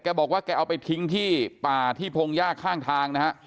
บอกว่าแกเอาไปทิ้งที่ป่าที่พงหญ้าข้างทางนะฮะ